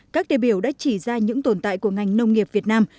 các đề biểu đã chỉ ra những tồn tại của ngành nông nghiệp việt nam